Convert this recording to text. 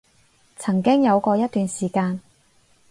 曾經有過一段時間